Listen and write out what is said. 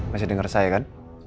masih denger saya kan